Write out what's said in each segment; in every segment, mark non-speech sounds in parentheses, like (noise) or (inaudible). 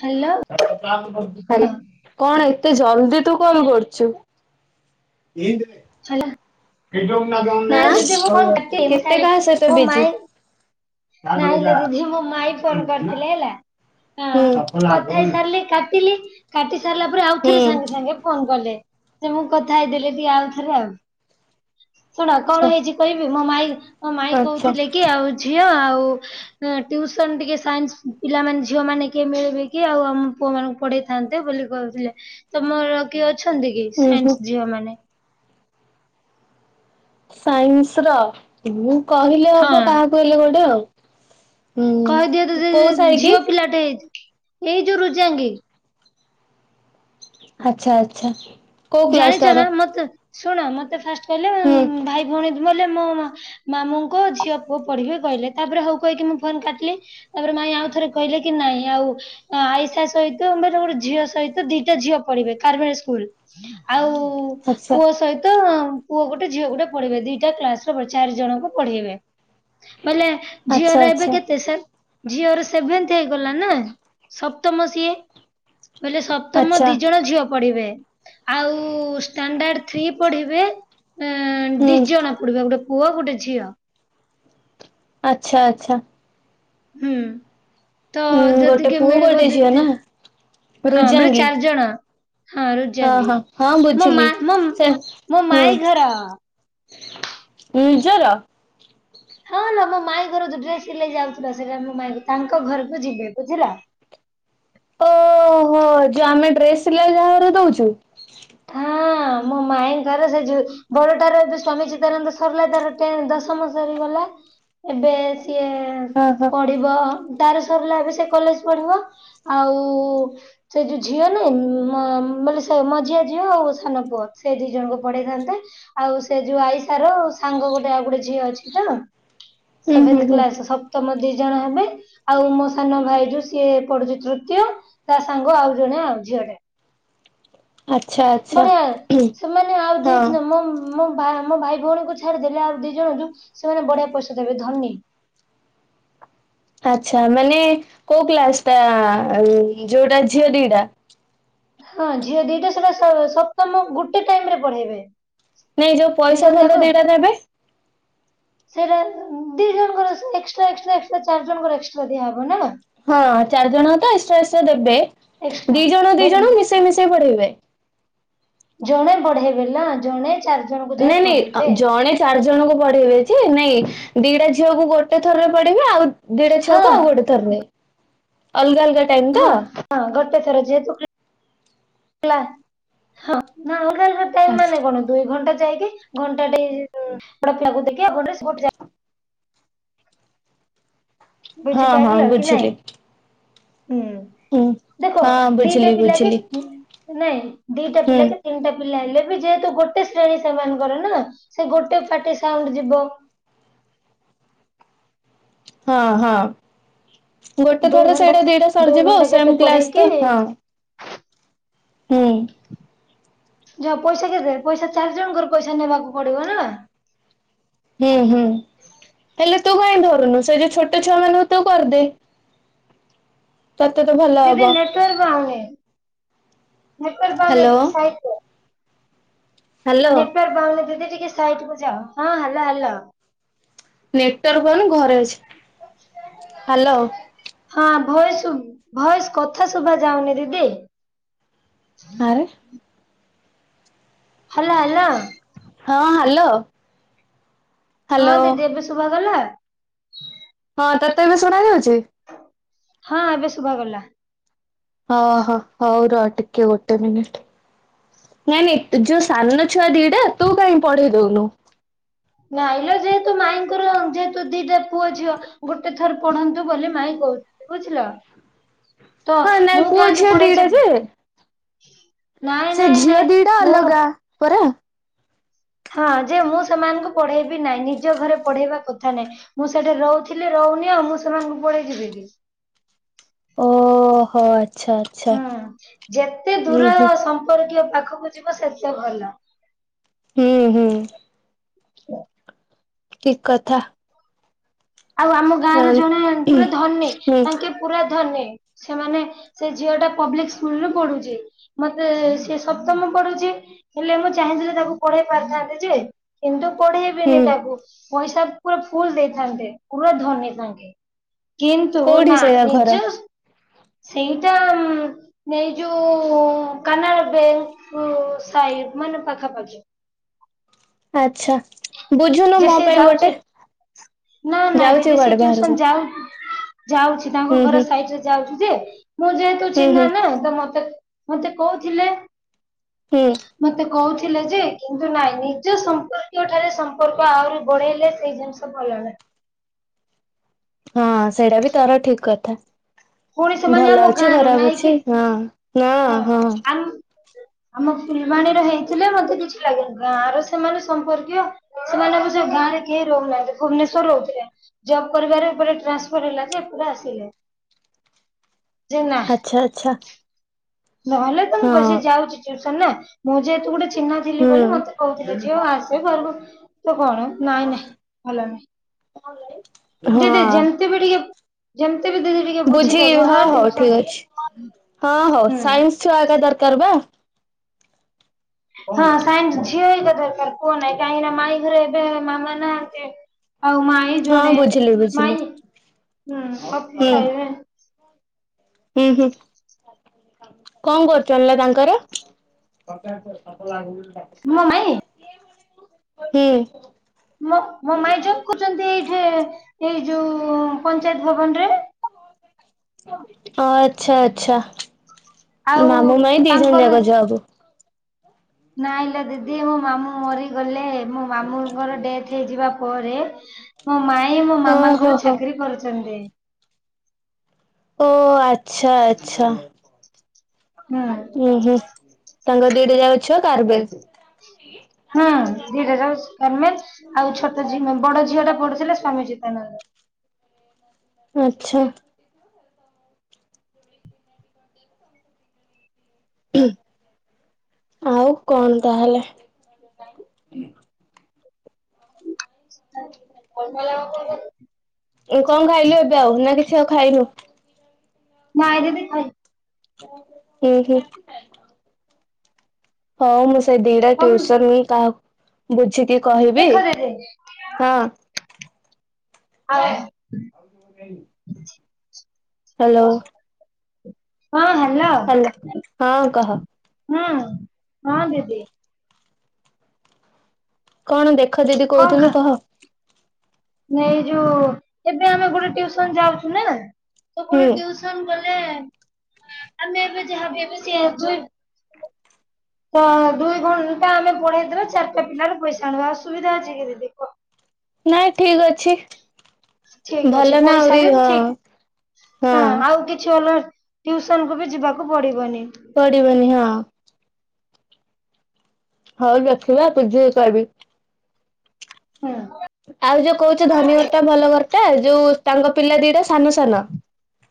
Hello. କଣ ଏତେ ଜଲଦି ତୁ କଣ କରୁଛୁ? ଏନ୍ତି ନେ। ହେଲା ନାଇଁ ଦିଦି ମୁଁ କଣ କାଟେ କେତେ କାହା ସହିତ ମୋ ବିଜି? ମାଇଁ ନହିଁଲେ ଦିଦି ମୋ ମାଇଁ ଫୋନ କରିଥିଲେ ହେଲା। ହଁ ହୁଁ କଥା ହୁଁ ହେଇସାରିଲି କାଟିଲି। କାଟି ସାରିଲା ପରେ ଆଉଥରେ ସାଙ୍ଗେ ସାଙ୍ଗେ ଫୋନ କଲେ ସେ ମୁଁ କଥା ହେଇଦେଲେ ଟିକେ ଆଉଥରେ ଆଉ। ଶୁଣ କଣ ଆଛା ହେଇଛି କହିବି ମୋ ମାଇ ମୋ ମାଇଁ ଆଛା କହୁଥିଲେ କି ଆଉ ଝିଅ ଆଉ ଟ୍ୟୁସନ ଟିକେ ସାଇନ୍ସ ପିଲାମାନୋନେ ଝିଅ ମାନେ କିଏ ମିଳିବ କି ଆଉ ଆମ ପୁଅ ମାନଙ୍କୁ ପଢେଇ ଥାନ୍ତେ ବୋଲି କହୁଥିଲେ? ତମର କିଏ ଅଛନ୍ତି କି ଉଁ ହୁଁ। ସାଇନ୍ସ ଝିଅ ମାନେ? ସାଇନ୍ସ ର ମୁଁ କହିଲେ ହବ ହଁ କାହାକୁ ହେଲେ ଗୋଟେ ଆଉ। ହୁଁ କହିଦିଅ ତ ଯେ କୋଉ ସାର କି? ଝିଅ ପିଲାଟେ ହେଇ ଏଇ ଯୋଉ ରୁଜାଙ୍ଗୀ। ଆଚ୍ଛା ଆଚ୍ଛା। କୋଉ କ୍ଲାସ ଜାଣିଛ ତାର? ନା ମତେ ଶୁଣ ମତେ ଫାଷ୍ଟ କହିଲେ ହୁଁ। ଭାଇ ଭଉଣୀ ମଲେ ମୋ-ଓ ମାମୁଁଙ୍କ ଝିଅ ପୁଅ ପଢିବେ କହିଲେ ତାପରେ ହଉ କହିକି ମୁଁ ଫୋନ କାଟିଲି। ତାପରେ ମାଇ ଆଉ ଥରେ କହିଲେ କି ନାଇଁ ଆଉ ଆଇସାସ ସହିତ (unintelligible) ଝିଅ ସହିତ ଦିଟା ଝିଅ ପଢିବେ (unintelligible) ସ୍କୁଲ। ଆଉ-ଉ-ଉ-ଉ ଆଚ୍ଛା ପୁଅ ସହିତ ପୁଅ ଗୋଟେ ଝିଅ ଗୋଟେ ପଢିବେ। ଦିଇଟା କ୍ଲାସର ଚାରି ଜଣଙ୍କୁ ପଢ଼େଇବେ। ଵଲେ ଆଚ୍ଛା ଝିଅର ଏବେ ଆଚ୍ଛା କେତେ ସେନ୍ ଝିଅର ସେଭେନ୍ଥ ହେଇଗଲା ନା ସପ୍ତମ ସିଏ। ବୋଇଲେ ସପ ତମ ଆଚ୍ଛା। ଦି ଜଣ ଝିଅ ପଢିବେ ଆଉ-ଉ-ଉ-ଉ ଷ୍ଟାଣ୍ଡାର୍ଡ ଥ୍ରୀ ପଢିବେ ଅ-ଅ-ଅ ହୁଁ ଦି ଜଣ ପଢ଼ିବେ ଗୋଟେ ପୁଅ ଗୋଟେ ଝିଅ। ଆଛା ଆଛା। ହୁଁ ତ ଉଁ ଯଦି ଗୋଟେ କିଏ ପୁଅ ମିଳିବ ଗୋଟେ ଝିଅ ଦିଦି ନା? ହଁ ବୋଲେ ରୁଜାଙ୍ଗୀ ଚାରି ଜଣ ହଁ ରୋଜି ଆଙ୍ଗି। ହଁ ହଁ ମୋ ବୁଝିଲି ମା ମୋ ସେ ମୋ ହୁଁ ମାଇଁ ଘର ନିଜର? ହଁ ନା ମୋ ମାଇଁ ଘର ଯୋ ଡ୍ରେସ ସିଲେଇ ଯାଉଥିଲ ସେଇଟା ମୋ ମାଇଁ ତାଙ୍କ ଘରକୁ ଯିବି ଏବେ ବୁଝିଲ। ଓହୋ ଯୋଉ ଆମେ ଡ୍ରେସ୍ ସିଲାଇ ଯାହା ଘରେ ଦଉଛୁ। ହଁ। ହଁ ମୋ ମାଇଁଙ୍କର ସେ ଯୋ ବଡଟାରେ ଯ ସ୍ଵାମୀ ଚିଦାନନ୍ଦ ସରିଲା ତାର ଟେନ୍ ଦଶମ ସରିଗଲା। ଏବେ ସିଏ ହଁ ହଁ ପଢିବ ତାର ସରିଲା ଏବେ ସେ କଲେଜ ପଢିବ। ଆଉ-ଉ-ଉ-ଉ-ଉ ସେ ଯୋଉ ଝିଅ ନୁହେଁ ଉ-ଉ-ଉ ମ ମାନେ ସେ ମଝିଆ ଝିଅ ଆଉ ସାନ ପୁଅ ସେଇ ଦି ଜଣଙ୍କୁ ପଢେଇଥାନ୍ତେ। ଆଉ ସେ ଯୋଉ ଆଇସାର ସାଙ୍ଗ ଗୋଟେ ଆଉ ଗୋଟେ ଝିଅ ଅଛି ତ। ହୁଁ ହୁଁ ସେଭେନ୍ଥ ହୁଁ କ୍ଲାସ ସପ୍ତମ ଦି ଜଣ ହେବେ। ଆଉ ମୋ ସାନ ଭାଇ ଯୋଉ ସିଏ ପଡୁଛି ତୃତୀୟ ତା ସାଙ୍ଗ ଆଉ ଜଣେ ଆଉ ଝିଅ ଟେ। ଆଚ୍ଛା ଆଚ୍ଛା ବଢିଆ ସେମାନେ ଆଉ ଦି ହଁ ମ-ମ ମୋ ଭା ମୋ ଭାଇ ଭଉଣୀଙ୍କୁ ଛାଡ଼ି ଦେଲେ ଆଉ ଦି ଜଣ ଯୋଉ ସେମାନେ ବଢିଆ ପଇସା ଦେବେ ଧନୀ। ଆଛା ମାନେ କୋଉ କ୍ଲାସଟା-ଆ-ଆ-ଆ ଅ ଯୋଉଟା ଝିଅ ଦିଟା? ହଁ ଝିଅ ଦିଟା ସେଟା ସ ସପ୍ତମ ଗୋଟେ ଟାଇମରେ ପଢେଇବେ। ନାଇଁ ଯୋଉ ଦି ପଇସା ଜଣ ଭଲ ଯାକ ଦିଇଟା ଦେବେ। ସେଇଟା ଦି ଜଣଙ୍କର ସେ ଏକ୍ସଟ୍ରା ଏକ୍ସଟ୍ରା ଏକ୍ସଟ୍ରା ଚାରି ଜଣଙ୍କର ଏକ୍ସଟ୍ରା ଦିଆ ହବ ନା। ହଁ ଚାରିଜଣ ତ ଏକ୍ସଟ୍ରା ଏକ୍ସଟ୍ରା ଦେବେ। ଏକ୍ସଟ୍ରା ଦି ଜଣ ଦି ଜଣ ମିଶେଇ ମିଶେଇ ପଢ଼େଇବେ। ଜଣେ ପଢେଇବେ ଲୋ ଜଣେ ଚାରି ଜଣ କୁ ନାଇଁ ଯାଇ ନାଇଁ ପଢ଼େଇବେ। ଜଣେ ଚାରି ଜଣଙ୍କୁ ପଢେଇବେ ଯେ ନାଇଁ ଦିଟା ଝିଅକୁ ଗୋଟେ ଥରରେ ପଢ଼େଇବେ ଆଉ ଦିଟା ହଁ ଛୁଆକୁ ଆଉ ଗୋଟେ ଥରରେ ଅଲଗା ଅଲଗା ଟାଇମ ତ? ହଁ। ହଁ ଗୋଟେ ଥର ଯେହେତୁ (unintelligible) ଲା ହଁ ଅଲଗା ଅଲଗା (unintelligible) ଆଚ୍ଛା। କଣ ଦୁଇ ଘଣ୍ଟା ଯାଇକି ଘଣ୍ଟାଟେ (unintelligible) ହଁ ହଁ ବୁଝିପାରିଲ କି ନାଇଁ, ବୁଝିଲି ହୁଁ। ହୁଁ ଦେଖ ହଁ ଦିଟା ବୁଝିଲି ପିଲା କେ ବୁଝିଲି ନାଇଁ ଦିଟା ହୁଁ ପିଲା କେ ତିନିଟା ପିଲା ହେଲେ ଯେହେତୁ ଗୋଟେ ଶ୍ରେଣୀ ସେମାନଙ୍କର ନା ସେ ଗୋଟେ ପାଟି ସାଉଣ୍ଡ ଯିବ। ହଁ ହଁ। ଗୋଟେ ଦୁଇ ଥରରେ ଘଣ୍ଟା ସେଇଟା ଦିଟା ଦୁଇ ସରିଯିବ ଘଣ୍ଟା ସେମ୍ କେତେ କ୍ଲାସ ପଢେଇକି ତ ହଁ। ହୁଁ। ଯାହା ପଇସା କେତେ ପଇସା ଚାରି ଜଣଙ୍କର ପଇସା ନେବାକୁ ପଡିବ ନା। ହୁଁ ହୁଁ ହେଲେ ତୁ କାଇଁ ଧରୁନୁ ସେ ଯୋଉ ଛୋଟ ଛୁଆ ମାନଙ୍କୁ ତୁ କରିଦେ। ତତେ ତ ଭଲ ହବ। ଫେର ବାହୁନିବେ ନେଟୱାର୍କ ପାଉନି ହ୍ୟାଲୋ ଟିକେ ସାଇଡ ଜ ହ୍ୟାଲୋ ନେଟୱର୍କ ପାଉନି ଦିଦି ଟିକେ ସାଇଟ କୁ ଯାଅ ହଁ ହଲୋ ହାଲୋ ନେଟୱାର୍କ ପାଉନି ଘରେ ଅଛି। ହ୍ୟାଲୋ ହଁ ଭୟସ ଭୟସ କଥା ଶୁଭା ଯାଉନି ଦିଦି। ଆରେ ହାଲୋ ହାଲୋ ହଁ ହ୍ୟାଲୋ? ହଁ ହ୍ୟାଲୋ ଦିଦି ଏବେ ଶୁଭା ଗଲା? ହଁ ତତେ ଏବେ ଶୁଣା ଯାଉଛି? ହଁ ଏବେ ଶୁଭା ଗଲା। ହ ହୋ ହଉ ର ଟିକେ ଗୋଟେ ମିନିଟ। ନାଇଁ ନାଇଁ ଯୋଉ ସାନ ଛୁଆ ଦିଟା ତୁ କାହିଁ ପଢେଇ ଦଉନୁ? ନାଇଁଲୋ ଯେହେତୁ ମାଇଁଙ୍କର ଯେହେତୁ ଦିଟା ପୁଅ ଝିଅ ଗୋଟେ ଥର ପଢନ୍ତୁ ବୋଲି ମାଇଁ କହୁଚନ୍ତି ବୁଝିଲ। ତ ହଁ ନାଇଁ ମୁଁ ପୁଅ କାହିଁକି ଝିଅ ଦିଟା ପଡେଇଛି? ଯେ ନାଇଁ ସେ ନାଇଁ ଝିଅ ନାଇଁ ଦିଟା ମୁଁ ଅଲଗା ପରା। ହଁ ଯେ ମୁଁ ସେମାନଙ୍କୁ ପଢେଇବି ନାଇଁ ନିଜ ଘରେ ପଢେଇବା କଥା ନାଇଁ। ମୁଁ ସେଠି ରହୁଥିଲି ରହୁନି ଆଉ ମୁଁ ସେମାନଙ୍କୁ ପଢେଇ ଯିବିି କି? ଓହୋ ଆଚ୍ଛା ଆ ହୁଁ ଯେତେ ଦୂର ସମ୍ପର୍କୀୟ ପାଖକୁ ଯିବ ସେତେ ଭଲ। ହୁଁ ହୁଁ। ଠିକ୍ କଥା। ଆଉ ଆମ ଗାଁ ର ହଁ ଜଣେ ପୁରା ଧନୀ ହୁଁ ତାଙ୍କେ ପୁରା ଧନୀ ସେମାନେ ସେ ଝିଅ ଟା ପବ୍ଲିକ ସ୍କୁଲ ରୁ ପଢୁଛି। ମତେ ସେ ସପ୍ତମ ପଢୁଛି। ହେଲେ ମୁଁ ଚାହିଁଥିଲେ ତାକୁ ପଢେଇ ପାରିଥାନ୍ତି ଯେ କିନ୍ତୁ ହୁଁ ପଢେଇବିନି ତାକୁ ପଇସା ପୁରା ଫୁଲ୍ ଦେଇଥାନ୍ତେ। ପୁରା ଧନୀ ତାଙ୍କେ କିନ୍ତୁ କୋଉଠି ନା ସେୟା ଘର ନିଜ ସେଇଟା ଉମ୍ ଏ ଯୋଉ କାନାଡା ବେଙ୍କ ସାଇ ମାନେ ପାଖାପାଖି। ଆଚ୍ଛା। ବୁଝୁନୁ ଯେ ମୋ ସେ ପାଇଁ ଗୋଟେ ଯାଉଛି ନା ନାଇଁ ଯାଉଛି ଦିଦି ସେ କୁଆଡେ ବାହାରକୁ ଟ୍ୟୁସନ୍ ଯାଉ ଯାଉଛି। ତାଙ୍କ ହୁଁ ଘର ହୁଁ ସାଇଡ ରେ ଯାଉଛି ଯେ, ମୁଁ ଯେହେତୁ ହୁଁ ଚିହ୍ନା ହୁଁ ନା ତ ମତେ ମତେ କଉଥିଲେ। ହୁଁ। ମତେ କହୁଥିଲେ ଯେ କିନ୍ତୁ ନାଇଁ ନିଜ ସମ୍ପର୍କୀୟ ଠାରେ ସମ୍ପ ର୍କ ଆହୁରି ବଢେଇଲେ ସେଇ ଜିନିଷ ଭଲ ନାହିଁ। ହଁ ସେଇଟା ବି ତୋର ଠିକ୍ କଥା। ପୁଣି ସେମାନେ ଭଲ ଆମ ଗାଁ ଅଛି ର ଖରାପ ନାଇଁ କି ଅଛି ହଁ ନାନାନା ହଁ। ଆମ ଫୁଲବାଣୀର ହେଇଥିଲେ ମତେ କିଛି ଲାଗିନଥନ୍ତା, ଗାଁର ସେମାନେ ସମ୍ପର୍କୀୟ ସେମାନେ ଅବଶ୍ୟ ଗାଁରେ କେହି ରହୁନାହାନ୍ତି ଭୁବନେଶ୍ୱର ରହୁଥିଲେ। ଜବ୍ କରିବାରେ ପୁରା ଟ୍ରାନ୍ସଫର ହେଲା ଯେ ପୁରା ଆସିଲେ। ଯେ ନା ଆଚ୍ଛା ଆଛା। ନହେଲେ ତ ମୁଁ କି ଯାଉଛି ଟୁସନ ନା ମୋ ଯେହେତୁ ଗୋଟେ ଚିହ୍ନା ଥିଲି ବୋଲି ହୁଁ। ମତେ କହୁଥିଲେ ଝିଅ ଆସେ ଘରକୁ ତ କଣ ନାଇଁ ନାଇଁ ଭଲ ନାହିଁ। ଦିଦି ହଁ ଯେମିତି ବି ଟିକେ ଯେମିତି ବି ଦିଦି ଟିକେ ବୁଝିଲି ବୁଝିଦବ ହଁ ହଉ ଠିକ ଟ୍ୟୁସନ୍। ଅଛି। ହଁ ହଉ ସାଇନ୍ସ ଛୁଆ ଆକା ଦରକାର ବା? ହଁ ସାଇନ୍ସ ଝିଅ ହେଇଥିବା ଦରକାର। ପୁଅ ମେଗାହିନ ମାଇ ଘରେ ଏବେ ମାମା ନାହାନ୍ତି ଆଉ ମା ଇ ହଁ ଜଣେ ବୁଝିଲି ବୁଝିଲି। ମାଇଁ ହୁଁ ହୁଁ ଅଫିସ ଆଇବେ। ହୁଁ ହୁଁ। କଣ କରୁଛନ୍ତି ଲୋ ତାଙ୍କର? ମୋ ମାଇଁ? ହୁଁ। ମୋ ମୋ ମାଇ ଜଗୁଛନ୍ତି ଏଇଠେ ଏଇ ଯୋଉ ପଞ୍ଚାୟତ ଭବନ ରେ ଓ ଆଚ୍ଛା ଆଛା ଆଉ ମାମୁଁ ମାଇ ଦିଜଣ ତାଙ୍କର ଯାକ ଜବ ନାଇଁଲୋ ଦିଦି ମୋ ମାମୁଁ ମରିଗଲେ ମୋ ମାମୁଁଙ୍କର ଡେଥ ହେଇଯିବା ପରେ ମୋ ମାଇ ମୋ ହଁ ହୋ ମାମାଙ୍କର ହୋ ଚାକିରି କରୁଛନ୍ତି। ଓ ଆଚ୍ଛା ଆଚ୍ଛା ହୁଁ ଉୁଁ ହୁଁ ତାଙ୍କର ଦିଟା ଯାକ ଚୁଆ ତାରବେ ହୁଁ ଦିଟା ଯାଉ କାର୍ମେଲ ଆଉ ଛୋଟ ଝିଅ ବଡ ଝିଅ ଟା ପଢୁଥିଲା ସ୍ଵାମୀ ଚିତାନନ୍ଦ ଆଛା ଆଉ କଣ ତାହେଲେ (unintelligible) (unintelligible) କଣ ଖାଇଲୁ ଏବେ ଆଉ ନା କିଛି ଆଉ ଖାଇନୁ ନାଇଁ ଦିଦି ଖାଇ ହୁଁ ହୁଁ ହଁ ମୁଁ ସେଇ ଦିଟା ତମ ଟ୍ୟସନ କାହାକୁ ବୁଝିକି କହିବି ଦେଖ ଦିଦି ହଁ ଆରେ (unintelligible) ହ୍ୟାଲୋ (unintelligible) ହଁ ହ୍ୟାଲୋ ହଁ କହ ହଁ ହଁ ଦିଦି କଣ ଦେଖ ଦିଦି କଣ କହୁଥିଲୁ ଖା କହ ଏଇ ଯୋଉ ଏବେ ଆମେ ଗୋଟେ ଟିଉସନ ଯାଉଛୁ ନା ତ ହୁଁ ଗୋଟେ ଗଲେ ଆମେ ଏବେ ଯାହାଵି ଏବେ ସେ ଏଛୁ ତ ଦୁଇ ଘଣ୍ଟା ଆମେ ପଢେଇଦବା ଚାରିଟା ପିଲାର ପଇସା ଆଣିବା ଆଉ ସୁବିଧା ଅଛି କି ଦିଦି କହ ନାଇଁ ଠିକ ଅଛି। ଠିକ ଅଛି ଭଲ ନା ପଇସା ଆହୁରି ବି ହଁ ଠିକ ହଁ ଆଉ କିଛି ଅଲଗା ଟିଉସନକୁ ବି ଯିବାକୁ ପଡିବନି ପଡିବନି ହଁ ହଉ ଦେଖିବା ବୁଝିକି କହିବି ହଁ ଆଉ ଯୋଉ କହୁଛୁ ଧନୀଘରଟା ଭଲ ଘରଟା ଯୋଉ ତାଙ୍କ ପିଲା ଦିଟା ସାନ ସାନ (inaudible)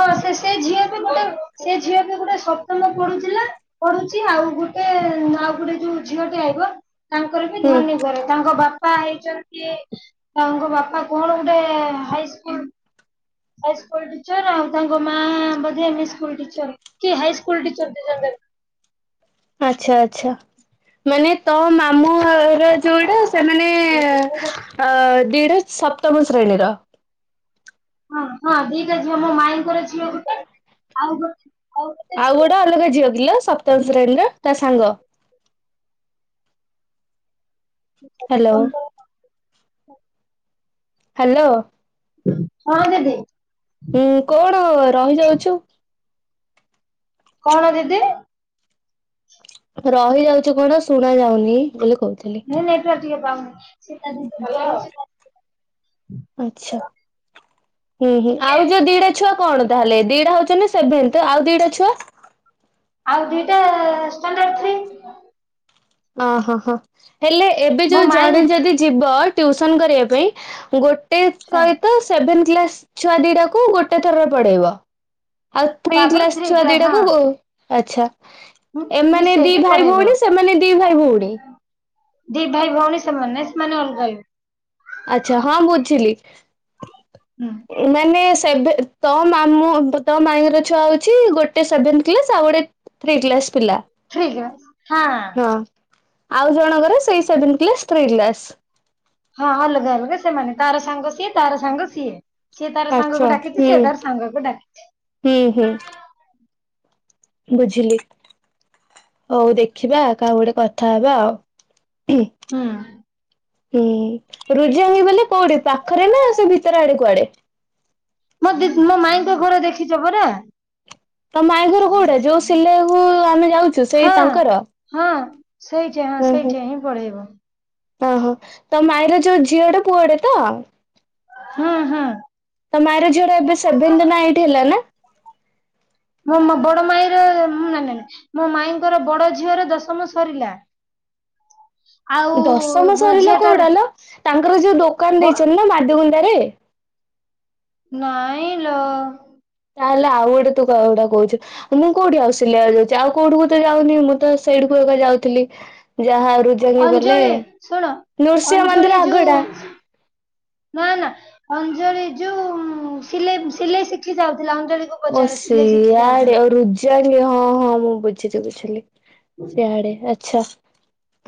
ହଁ ସେ ସେ ଝିଅ ବି ଗୋଟେ ସେ ଝିଅ ବି ଗୋଟେ ସପ୍ତମ ପଢୁଥିଲା। ପଢୁଛି ଆଉ ଗୋଟେ ଆଉ ଗୋଟେ ଯୋଉ ଝିଅଟେ ଆଇବ ତାଙ୍କର ବି ହୁଁ ଧନୀ ଘର ତାଙ୍କ ବା ବାପା ହେଇଛନ୍ତି ତାଙ୍କ ବାପା କଣ ଗୋଟେ ହାଇସ୍କୁଲ ହାଇସ୍କୁଲ ଟିଚର ଆଉ ତାଙ୍କ ମା ବୋଧେ ୟୁପି ସ୍କୁଲ ଟିଚର କି ହାଇସ୍କୁଲ ଟିଚର ଆଚ୍ଛା ଆଚ୍ଛା ମାନେ ତୋ ମାମୁଁ ର ଯୋଉଡ଼ା ସେମାନେ ଅ ଦିଟା ସପ୍ତମ ଶ୍ରେଣୀର ହଁ ହଁ ଦିଟା ଝିଅ ମୋ ମାାଇଙ୍କର ଝିଅ ଗୋଟେ ଆଉ ଗୋଟେ ଆଉ ଗୋଟେ ଅଲଗା ଝିଅ କିଲୋ ସପ୍ତମ ଶ୍ରେଣୀର ତା ସାଙ୍ଗ ହ୍ୟାଲୋ ହାଲୋ ହଁ ଦିଦି। ହୁଁ କଣ ରହିଯାଉଛୁ? କଣ ଦିଦି? ରହିଯାଉଛୁ କଣ ଶୁଣାଯାଉନି ବୋଲି କହୁଥିଲି। ମୁଁ ନେଟୱାର୍କ ଟିକେ ପାଉନି ସେଇଟା ଭଲ ଆଚ୍ଛା ହୁଁ ହୁଁ ଆଉ ଯୋଉ ଦିଟା ଛୁଆ କଣ ତାହେଲେ ଦିଟା ହଉଛନ୍ତି ସେଭେନ୍ଥ୍ ଆଉ ଦିଟା ଛୁଆ? ଆଉ ଦିଟା ଷ୍ଟାଣ୍ଡାର୍ଡ ଥ୍ରି। ଅହୋ ହୋ ହେଲେ ଏବେ ମୋ ଯୋଉ ମାଇଁ ଜଣେ ଯଦି ଯିବ ଟ୍ୟୁସନ୍ କରିବା ପାଇଁ ଗୋଟେ ହଁ ସହିତ ସେଭେନ୍ କ୍ଲାସ୍ ଛୁଆ ଦିଟାକୁ ଗୋଟେ ଥରରେ ପଢ଼େଇବ। ଆଉ ଥ୍ରି ତାପରେ କ୍ଲାସ୍ ଥ୍ରୀ ଛୁଆ କ୍ଲାସ ଦିଟାକୁ ଉ ଆଚ୍ଛା। ହଁ ଏମାନେ ଦି ମିଶେଇକି ଭାଇ ପଢେଇବ ଭଉଣୀ ସେମାନେ ଦି ଭାଇ ଭଉଣୀ ଦି ଭାଇ ଭଉଣୀ ସେମାନେ ସେମାନେ ଅଲ୍ଗା ଅଲ୍ ଆଚ୍ଛା ହଁ ବୁଝିଲି। ହୁଁ। ଏମାନେ ସେଭେ ତ ମାମୁଁ ତ ମାଇଙ୍କର ଛୁଆ ହଉଛି ଗୋଟେ ସେଭେନ୍ଥ କ୍ଲାସ୍ ଆଉ ଗୋଟେ ଥ୍ରୀ କ୍ଲାସ୍ ପିଲା। ଥ୍ରି କ୍ରାସ୍ ହଁ। ହଁ ଆଉ ଜଣଙ୍କର ସେଇ ସେଭନ୍ କ୍ଲାସ୍ ଥ୍ରୀ କ୍ଲାସ୍। ହଁ ଅଲଗା ଅଲଗା ସେମାନେ ତାର ସାଙ୍ଗ ସିଏ ତାର ସାଙ୍ଗ ସିଏ। ସିଏ ତାର ଆଚ୍ଛା। ସାଙ୍ଗକୁ ଡ଼ାକିଛି ହୁଁ ସେ ତାର ସାଙ୍ଗକୁ ଡ଼ାକିଛି। ହୁଁ ହୁଁ। ବୁଝିଲି। ହଉ ଦେଖିବା କାହା ଗୋଟେ କଥା ହବା ଆଉ। ହୁଁ। ହୁଁ ରୁଜା ହଇ ବୋଲି କୋଉଠି ପାଖରେ ନା ସେ ଭିତରେ ଆଡ଼େ କୁଆଡ଼େ? ମୋ ଦି ମୋ ମାଇଁଙ୍କ ଘର ଦେଖିଛ ପରା। ତ ମାଇଁ ଘର କୋଉଟା ଯୋଉ ସିଲେଇବାକୁୁ ଆମେ ଯାଉଛୁ ସେଇ ହଁ ତାଙ୍କର? ହଁ ସେଇଠି ହଁ ହୁଁ ହୁଁ ସେଇଠି ହିଁ ପଳେଇବ। ଓହୋ ତ ମାଇଁର ଯୋଉ ଝିଅଟେ ପୁଅଟେ ତ? ହଁ ହଁ। ତ ମାଇଁର ଝିଅଟା ଏବେ ସେଭେନ୍ଥ ନା ଏଇଟ୍ ହେଲାନା? ମୋ ମୋ ବଡ଼ ମାଇଁର ନାଇଁ ନାଇଁ ମୋ ମାଇଙ୍କର ବଡ଼ ଝିଅର ଦଶମ ସରିଲା। ଆଉ ଦଶମ ସରିଲା ମଝିଆଟାର କୋଉଟାଲୋ ତାଙ୍କର ଯୋଉ ଦୋକାନ ବ ଦେଇଛନ୍ତି ନା ମାଧୁଗୁନ୍ଦାରେ? ନାଇଁ ଲୋ। ତାହେଲେ ଆଉ ଗୋଟେ ତୁ କଉ ଗୁଟା କହୁଛୁ। ମୁଁ କୋଉଠି ଆଉ ସିଲିଆକୁ ଯାଉଛି ଆଉ କୋଉଠୁକୁ ତ ଯାଉନି ମୁଁ ତ ସେଇଠିକୁ ଏବେ ଯାଉଥିଲି। ଯାହା ରୁଦ୍ ଅଞ୍ଜଳି ଶୁଣ ଅଞ୍ଜଳି ମନ୍ଦିର ଯୋଉ ଆଗଟା ନା ନା ଅଞ୍ଜଳି ଯୋଉ ସିଲେଇ ସିଲେଇ ଶିଖି ଯାଉଥିଲା ଅଞ୍ଜଳି କ ଓ ସିଆଡ଼େ ଆଉ ରୁଜା ବି ହଁ ହଁ ମୁଁ ବୁଝିଲି ବୁଝିଲି। ସେଆଡ଼େ ଆଚ୍ଛା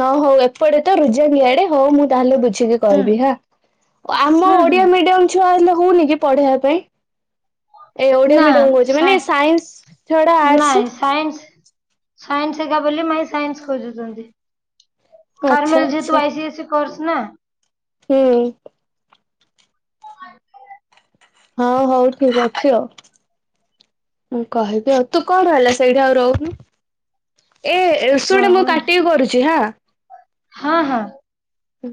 ତ ହଉ ଏପଟେ ତ ରୁଜଙ୍ଗିଆଡ଼େ ହଉ ମୁଁ ତାହେଲେ ବୁଝ୍ ବୁଝିକି କି ହୁଁ କହିବି ହା ଆମ ହୁଁ ହୁଁ ଓଡ଼ିଆ ମିଡ଼ିୟମ୍ ଛୁଆ ହେଲେ ହଉନି କି ପଢ଼େଇବା ପାଇଁ ଏ ଓଡ଼ିଆ ନା ମିଡ଼ିୟମ କହୁଛି ସା ମାନେ ସାଇନ୍ସ ଛଡ଼ା ଆର୍ଟସ୍। ନାଇଁ ସାଇନ୍ସ। ସାଇନ୍ସ ଏକା ବୋଲି ମାଇଁ ସାଇନ୍ସ ଖୋଜୁଛନ୍ତି ଆଚ୍ଛା କାରମେଲ୍ ଆଚ୍ଛା ଯେହେତୁ I C A C course ନା। ହୁଁ। ହଉ ହଉ ଠିକ୍ ଅଛି ଆଉ। ମୁଁ କହିବି ଆଉ। ତୁ କଣ ହେଲା ସେଇଠି ଆଉ ରହୁନୁ? ଏ ଏ ଶୁଣ ମୁଁ ରହୁନି କାଟିକି କରୁଛି ହାଁ। ହଁ ହଁ। ହୁଁ